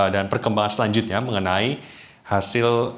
dan perkembangan selanjutnya mengenai hasil